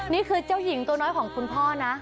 นี่คือเจ้าหญิงตัวน้อยของคุณพ่อนะ